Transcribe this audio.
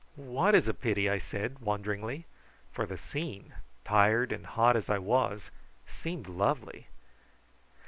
"What is a pity?" I said wonderingly, for the scene, tired and hot as I was, seemed lovely.